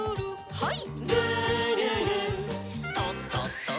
はい。